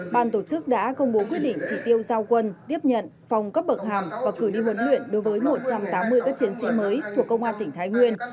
ban tổ chức đã công bố quyết định chỉ tiêu giao quân tiếp nhận phòng cấp bậc hàm và cử đi huấn luyện đối với một trăm tám mươi các chiến sĩ mới thuộc công an tỉnh thái nguyên